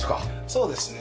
そうですね。